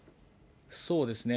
そうですね。